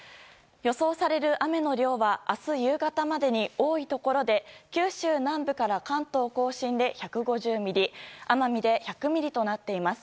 予想される雨の量は明日夕方までに、多いところで九州南部から関東・甲信で１５０ミリ奄美で１００ミリとなっています。